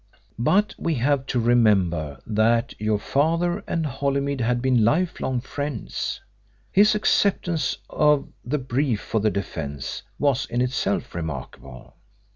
But we have to remember that your father and Holymead had been life long friends. His acceptance of the brief for the defence was in itself remarkable.